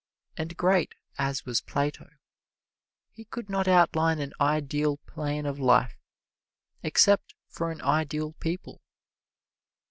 And great as was Plato, he could not outline an ideal plan of life except for an ideal people.